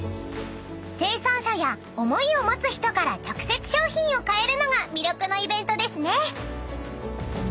［生産者や思いを持つ人から直接商品を買えるのが魅力のイベントですね］